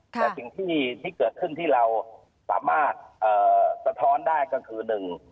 แต่สิ่งที่เกิดขึ้นที่เราสามารถสะท้อนได้ก็คือหนึ่ง